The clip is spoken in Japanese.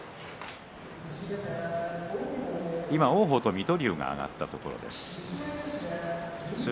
今、王鵬と水戸龍が上がったところです。